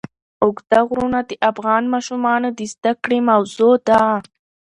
اوږده غرونه د افغان ماشومانو د زده کړې موضوع ده.